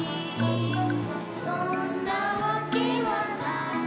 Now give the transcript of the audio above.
「そんなわけはないけれど」